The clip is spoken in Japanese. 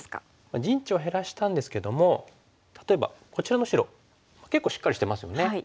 陣地を減らしたんですけども例えばこちらの白結構しっかりしてますよね。